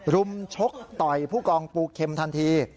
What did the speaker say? รุมชกต่อยผู้กองปูเข็มทันที